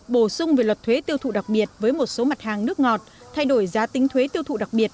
bổ sung về luật thuế tiêu thụ đặc biệt với một số mặt hàng nước ngọt thay đổi giá tính thuế tiêu thụ đặc biệt